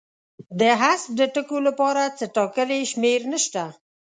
د حذف د ټکو لپاره څه ټاکلې شمېر نشته.